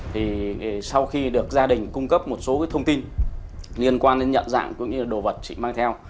thì sau khi được gia đình cung cấp một số thông tin liên quan đến nhận dạng cũng như là đồ vật chị mang theo